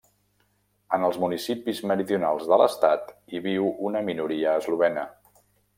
En els municipis meridionals de l'estat hi viu una minoria eslovena.